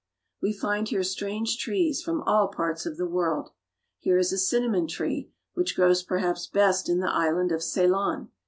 We find here strange trees from all parts of the world. Here is a cinnamon tree, which grows perhaps best in the island of Ceylon.